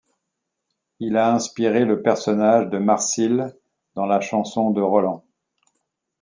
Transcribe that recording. Il a inspiré le personnage de Marsile dans la Chanson de Roland.